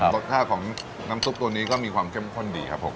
รสชาติของน้ำซุปตัวนี้ก็มีความเข้มข้นดีครับผม